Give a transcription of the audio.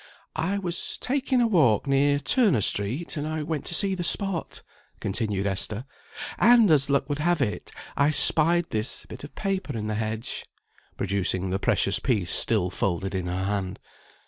"I was taking a walk near Turner Street, and I went to see the spot," continued Esther, "and, as luck would have it, I spied this bit of paper in the hedge," producing the precious piece still folded in her hand.